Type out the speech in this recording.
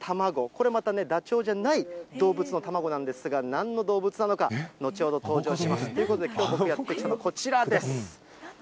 これまたね、ダチョウじゃない動物の卵なんですが、なんの動物なのか、後ほど登場します。ということできょう僕がやって来たのはこちらです。